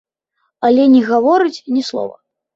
Але не гаворыць ні слова.